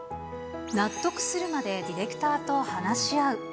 納得するまでディレクターと話し合う。